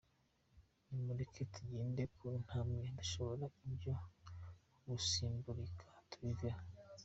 Nimureke tugende ku ntambwe dushoboye ibyo gusimbagulika tubiveho.